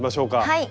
はい。